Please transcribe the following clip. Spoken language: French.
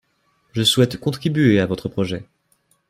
Je souhaite contribuer à votre projet